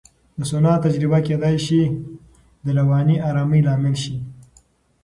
د سونا تجربه کېدای شي د رواني آرامۍ لامل شي.